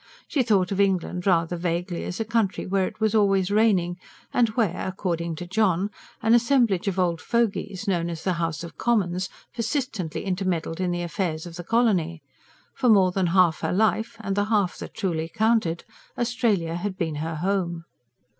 She thought of England rather vaguely as a country where it was always raining, and where according to John an assemblage of old fogies, known as the House of Commons, persistently intermeddled in the affairs of the colony. For more than half her life and the half that truly counted Australia had been her home.